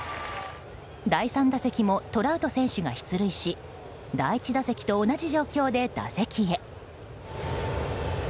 第３打席もトラウト選手が出塁し第１打席と同じ状況で打席へ。